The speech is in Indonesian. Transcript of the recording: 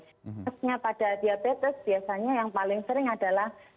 khususnya pada diabetes biasanya yang paling sering adalah